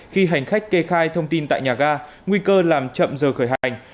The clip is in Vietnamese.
khi hành khách kê khai thông tin tại nhà ga nguy cơ làm chậm giờ khởi hành